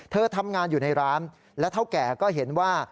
เธอทำงานอยู่ในร้านและเท่าแก่ก็เห็นว่า